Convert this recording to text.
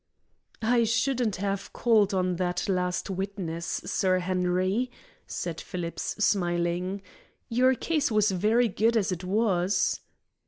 "You shouldn't have called on that last witness, Sir Henry," said Phillips, smiling. "Your case was very good as it was."